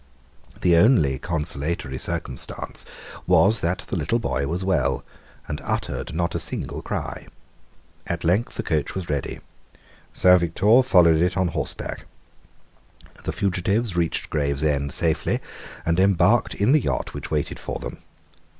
The only consolatory circumstance was that the little boy was well, and uttered not a single cry. At length the coach was ready. Saint Victor followed it on horseback. The fugitives reached Gravesend safely, and embarked in the yacht which waited for them.